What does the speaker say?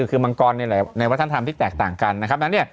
คือมังกรเนี่ยแหละในวัฒนธรรมที่แตกต่างกันนะครับ